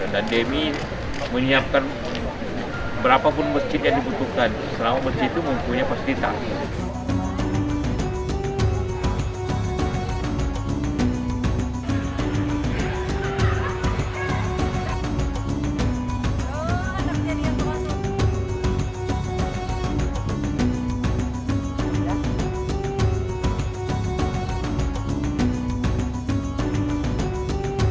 dan demi menyiapkan berapapun masjid yang dibutuhkan selama masjid itu mempunyai pasifitas